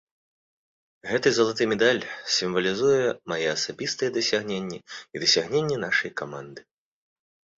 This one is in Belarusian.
Гэты залаты медаль сімвалізуе мае асабістыя дасягненні і дасягненні нашай каманды.